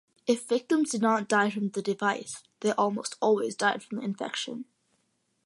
If victims did not die from the device, they almost always died from infection.